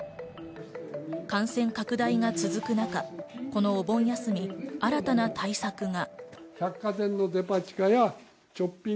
感染拡大が続く中、このお盆休み、新たな対策が。